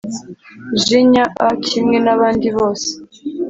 jinya a kimwe n abandi bose